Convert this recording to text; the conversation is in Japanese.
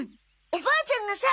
おばあちゃんがさ